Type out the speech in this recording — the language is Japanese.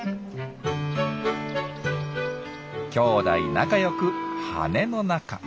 きょうだい仲よく羽の中。